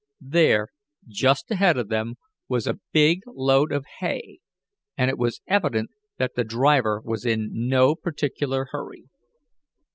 There, just ahead of them, was a big load of hay, and it was evident that the driver, was in no particular hurry.